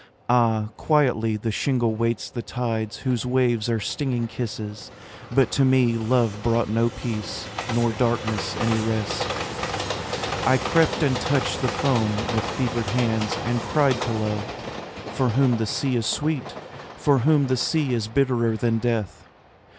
Ah, quietly the shingle waits the tides Whose waves are stinging kisses, but to me Love brought no peace, nor darkness any rest. I crept and touched the foam with fevered hands And cried to Love, from whom the sea is sweet, From whom the sea is bitterer than death.